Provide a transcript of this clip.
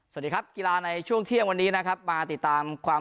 สวัสดีครับกีฬาในช่วงเที่ยงวันนี้นะครับมาติดตามความ